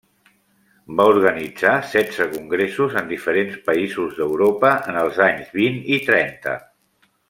Va organitzar setze congressos en diferents països d'Europa en els anys vint i trenta.